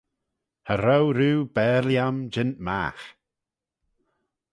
"Cha row rieau ""bare-lhiam"" jeant magh"